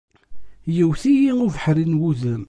Yewwet-iyi ubeḥri n wudem.